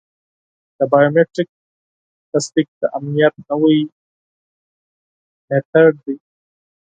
د بایومټریک تصدیق د امنیت نوی میتود دی.